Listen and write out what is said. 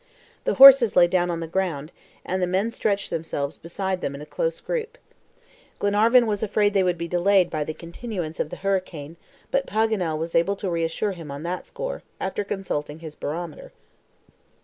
The horses lay down on the ground, and the men stretched themselves beside them in a close group. Glenarvan was afraid they would be delayed by the continuance of the hurricane, but Paganel was able to reassure him on that score, after consulting his barometer.